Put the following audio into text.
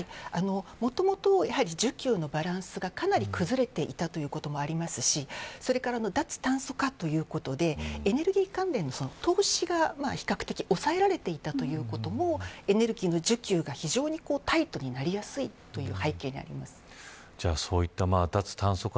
もともと需給のバランスがかなり崩れていたということもありますしそれから脱炭素化ということでエネルギー関連の投資が比較的に抑えられていたということもエネルギーの需給が非常にタイトになりやすいという背景にあります。